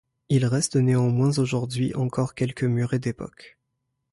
Il reste néanmoins aujourd'hui encore quelques murets d'époque.